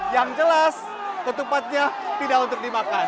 yang jelas ketupatnya tidak untuk dimakan